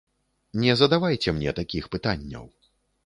Не задавайце мне такіх пытанняў.